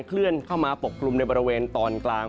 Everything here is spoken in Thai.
เคลื่อนเข้ามาปกกลุ่มในบริเวณตอนกลาง